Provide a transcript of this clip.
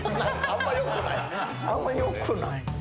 あんまよくない。